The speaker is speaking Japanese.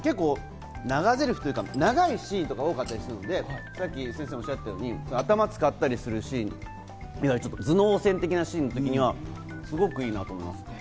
本当に長ゼリフというか長いシーンが多かったりしたので、先生がおっしゃったように、頭を使ったりするし、頭脳戦みたいなシーンの時にはすごくいいなと思います。